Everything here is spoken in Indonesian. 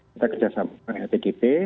kita kerjasama dengan lpgp